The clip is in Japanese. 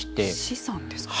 資産ですか。